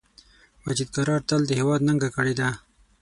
مجید قرار تل د هیواد ننګه کړی ده